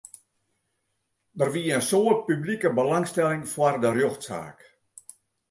Der wie in soad publike belangstelling foar de rjochtsaak.